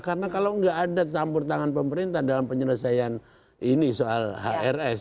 karena kalau gak ada campur tangan pemerintah dalam penyelesaian ini soal hrs